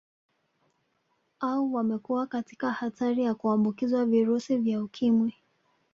Au wamekuwa katika hatari ya kuambukizwa virusi vya Ukimwi